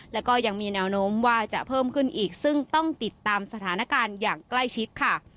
แล้วก็ยังมีแนวโน้มว่าจะเพิ่มขึ้นอีกซึ่งต้องติดตามสถานการณ์อย่างใกล้ชิดค่ะ